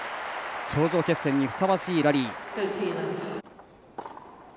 頂上決戦にふさわしいラリー。